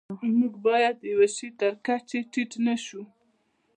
موږ باید د یوه شي تر کچې ټیټ نشو.